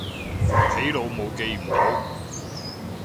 起腦霧記唔到